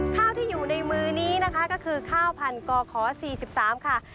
ข้าวที่อยู่ในมือนี้ก็คือข้าวพันธุ์กขสี่สิบสาม